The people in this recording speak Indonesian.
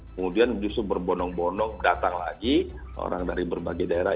kemudian justru berbonong bonong datang lagi orang dari berbagai daerah